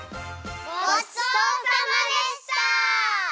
ごちそうさまでした！